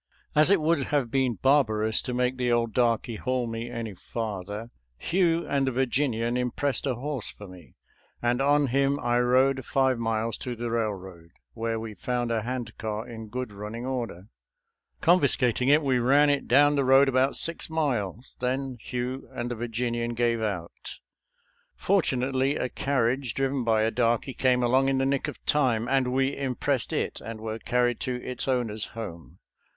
••• As it would have been barbarous to make the old darky haul me any farther, Hugh and the Virginian impressed a horse for me, and on him I rode five miles to the railroad, where we found a hand car in good running order. Confiscating it, we ran it down the road about six miles. Then Hugh and the Virginian gave out. For tunately, a carriage driven by a darky came along in the nick of time, and we impressed it and were carried to its owner's home.